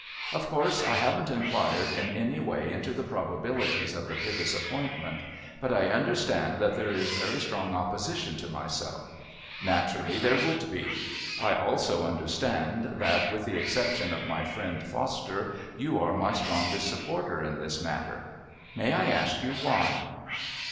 "Of course I haven't enquired in any way into the probabilities of the Pybus appointment. But I understand that there is very strong opposition to myself; naturally there would be. I also understand that, with the exception of my friend Foster, you are my strongest supporter in this matter. May I ask you why?"